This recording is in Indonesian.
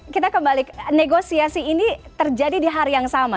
kita kembali ke negosiasi ini terjadi di hari yang sama